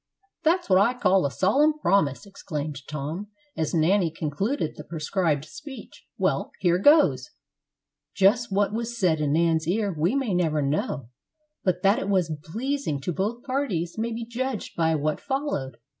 "That's what I call a solemn promise," exclaimed Tom, as Nanny concluded the prescribed speech. "Well, here goes!" Just what was said in Nan's ear we may never know, but that it was pleasing to both parties may be judged by what followed.